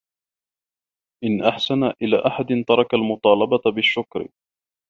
إنْ أَحْسَنَ إلَى أَحَدٍ تَرَكَ الْمُطَالَبَةَ بِالشُّكْرِ